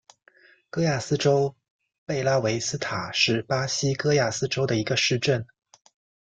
戈亚斯州贝拉维斯塔是巴西戈亚斯州的一个市镇。